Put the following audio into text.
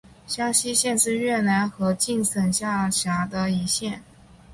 香溪县是越南河静省下辖的一县。